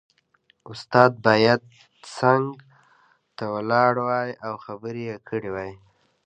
استاد باید څنګ ته ولاړ وای او خبرې یې کړې وای